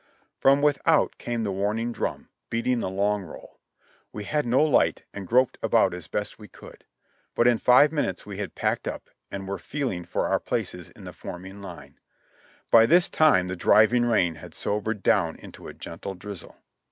From without came the warning drum, the; battle of seven pines 131 beating the long roll. We had no light, and groped about as best we could ; but in five minutes we had packed up, and were feeling for our places in the forming line. By this time the driving rain had sobered down into a gentle drizzle.